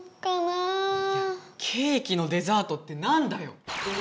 いやケーキのデザートってなんだよ！